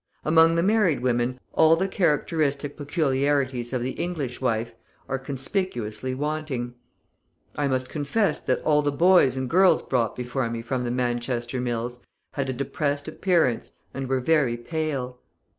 Among the married women all the characteristic peculiarities of the English wife are conspicuously wanting. I must confess that all the boys and girls brought before me from the Manchester mills had a depressed appearance, and were very pale.